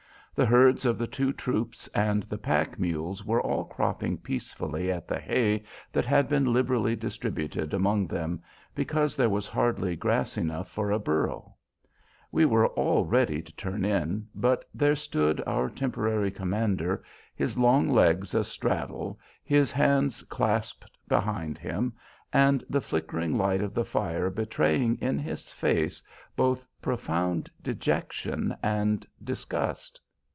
The herds of the two troops and the pack mules were all cropping peacefully at the hay that had been liberally distributed among them because there was hardly grass enough for a "burro." We were all ready to turn in, but there stood our temporary commander, his long legs a straddle, his hands clasped behind him, and the flickering light of the fire betraying in his face both profound dejection and disgust.